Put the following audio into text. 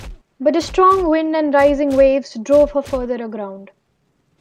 But a strong wind and rising waves drove her further aground.